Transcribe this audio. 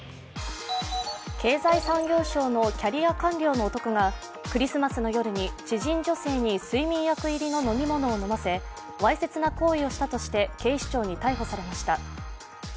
経済産業省のキャリア官僚の男がクリスマスの夜に知人女性に睡眠薬入りの飲み物を飲ませわいせつな行為をしたとして警視庁に逮捕されました。